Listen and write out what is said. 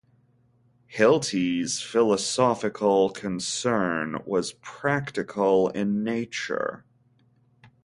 Hilty's philosophical concern was practical in nature.